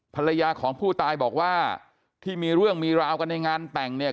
ภรรยาของผู้ตายบอกว่าที่มีเรื่องมีราวกันในงานแต่งเนี่ย